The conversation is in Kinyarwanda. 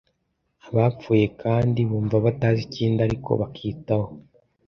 abapfuye Kandi bumva batazi ikindi ariko bakitaho